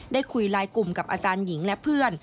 ได้คุยไลน์กลุ่มกับอาจารย์หญิงและเพื่อน